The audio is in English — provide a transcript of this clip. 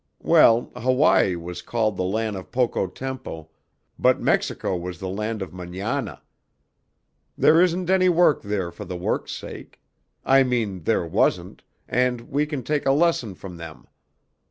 Well, Hawaii was called the land of poco tempo, but Mexico was the land of mañana. There isn't any work there for the work's sake. I mean there wasn't, and we can take a lesson from them.